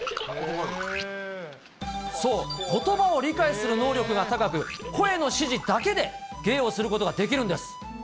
そう、ことばを理解する能力が高く、声の指示だけで芸をすることができるんです。